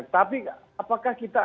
tapi apakah kita